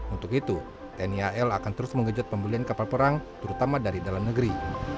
untuk itu tni al akan terus mengejut pembelian kapal perang terutama dari dalam negeri